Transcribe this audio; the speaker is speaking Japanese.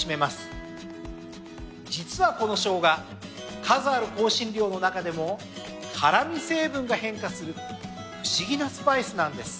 実はこのショウガ数ある香辛料の中でも辛味成分が変化する不思議なスパイスなんです。